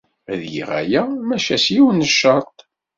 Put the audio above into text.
Ad geɣ aya, maca s yiwen n ccerḍ.